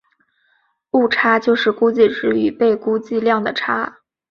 误差就是估计值与被估计量的差。